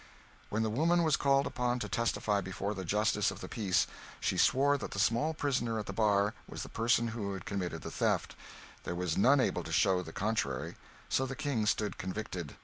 When the woman was called upon to testify before the justice of the peace, she swore that the small prisoner at the bar was the person who had committed the theft; there was none able to show the contrary, so the King stood convicted.